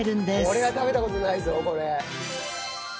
これは食べた事ないぞこれ。